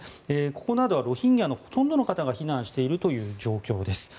ここなどはロヒンギャのほとんどの方が避難している状況です。